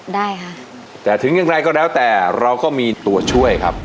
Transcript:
ได้ค่ะแต่ถึงอย่างไรก็แล้วแต่เราก็มีตัวช่วยครับ